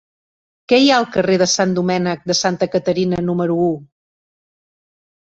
Què hi ha al carrer de Sant Domènec de Santa Caterina número u?